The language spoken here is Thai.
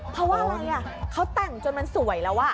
เพราะว่าอะไรเขาแต่งจนมันสวยแล้ว